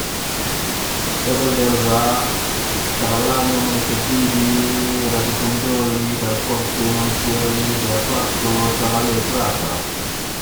Casole d'Elsa, Cavallano, Monteguidi, Radicondoli, Belforte, Montieri, Gerfalco, Travale e Prata.